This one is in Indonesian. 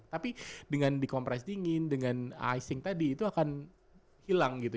tapi dengan di kompres dingin dengan icing tadi itu akan hilang gitu